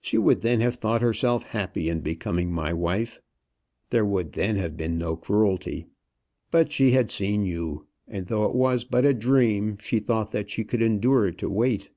She would then have thought herself happy in becoming my wife. There would then have been no cruelty. But she had seen you, and though it was but a dream, she thought that she could endure to wait.